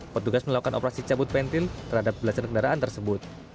petugas melakukan operasi cabut pentil terhadap belasan kendaraan tersebut